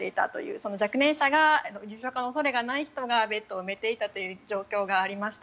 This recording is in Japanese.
その若年者重症化の恐れがない人がベッドを埋めていたという状況がありました。